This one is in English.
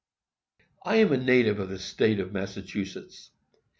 I am a native of the State of Massachusetts.